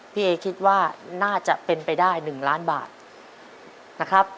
พี่เอคิดว่าน่าจะเป็นไปได้๑ล้านบาทนะครับ